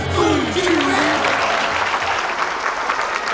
สู้ครับ